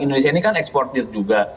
indonesia ini kan eksportir juga